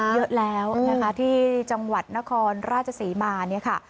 เยอะแล้วนะคะที่จังหวัดนครราชศรีมาเนี่ยค่ะ